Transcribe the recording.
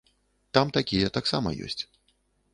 Там такія таксама ёсць.